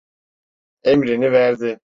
Emrini verdi.